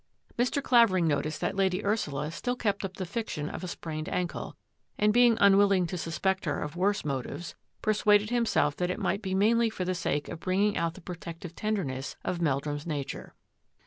Mr. Clavering noticed that Lady Ursula still kept up the fiction of a sprained ankle, and being unwilling to suspect her of worse motives, per suaded himself that it might be mainly for the sake of bringing out the protective tenderness of Meldrum's nature.